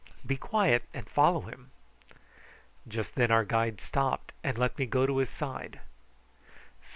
"Be quiet and follow him." Just then our guide stopped and let me go to his side.